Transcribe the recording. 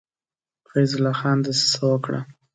فیض الله خان دسیسه وکړه.